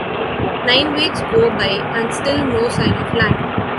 Nine weeks go by and still no sign of land.